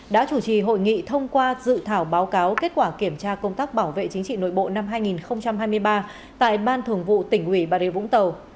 đã chủ trì hội nghị thông qua dự thảo báo cáo kết quả kiểm tra công tác bảo vệ chính trị nội bộ năm hai nghìn hai mươi ba tại ban thường vụ tỉnh ủy bà rịa vũng tàu